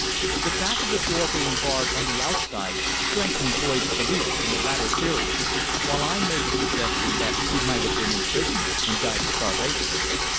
The fact of the door being barred on the outside strengthened Boyd's belief in the latter theory, while I made the suggestion that he might have been imprisoned and died of starvation.